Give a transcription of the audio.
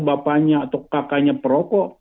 bapanya atau kakaknya perokok